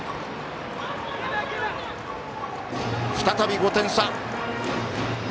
再び、５点差！